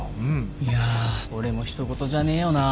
いや俺も人ごとじゃねえよな。